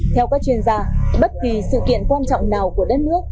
theo các chuyên gia bất kỳ sự kiện quan trọng nào của đất nước